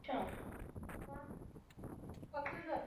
namba nane kifungu namba moja cha sheria ya Tawala za Mikoa